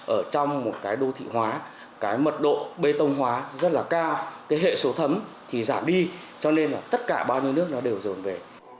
ở trong một cái đô thị hóa cái mật độ bê tông hóa rất là cao cái hệ số thấm thì giảm đi cho nên là tất cả bao nhiêu nước nó đều dồn về